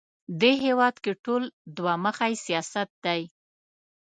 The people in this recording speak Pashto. دې هېواد کې ټول دوه مخی سیاست دی